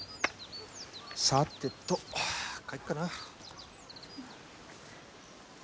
さてと帰っかな。